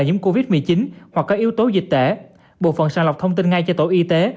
nhiễm covid một mươi chín hoặc các yếu tố dịch tễ bộ phận sàng lọc thông tin ngay cho tổ y tế